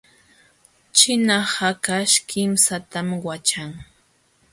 Ćhina hakaśh kimsatam waćhan.